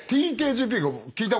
ＴＫＧＰが。